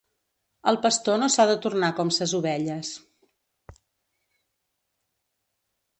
El pastor no s'ha de tornar com ses ovelles.